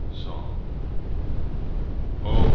SONG. Oh!